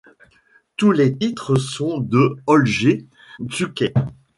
Tous les titres sont de Holger Czukay.